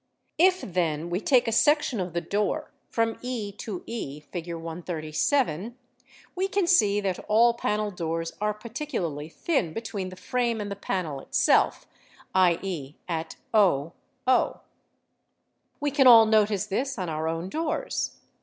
i! If then we take a section of the door from | 0 0 _ etoe, Fig. 137, we can see that all panel \pert ae re. doors are particularly thin between the Fig. 137. frame and the panel itself, 7.e., at oo. We can all notice this on our own doors.